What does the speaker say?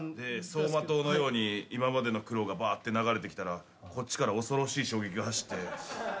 走馬灯のように今までの苦労がばーって流れてきたらこっちから恐ろしい衝撃が走って。